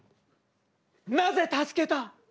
なぜ助けた？